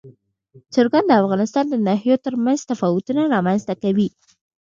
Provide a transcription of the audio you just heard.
چرګان د افغانستان د ناحیو ترمنځ تفاوتونه رامنځ ته کوي.